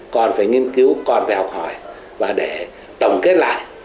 còn phải nghiên cứu còn phải học hỏi và để tổng kết lại